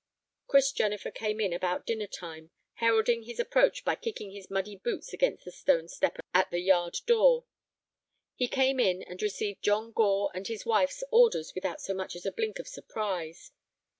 Chris Jennifer came in about dinner time, heralding his approach by kicking his muddy boots against the stone step at the yard door. He came in, and received John Gore and his wife's orders without so much as a blink of surprise.